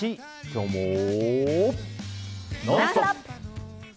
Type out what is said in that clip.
「ノンストップ！」。